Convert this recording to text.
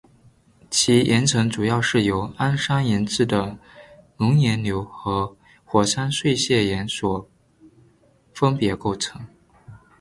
其岩层主要是由安山岩质的熔岩流和火山碎屑岩所分别构成。